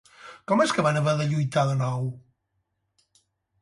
Com és que van haver de lluitar de nou?